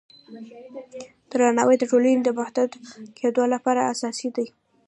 درناوی د ټولنې د متحد کیدو لپاره اساسي دی.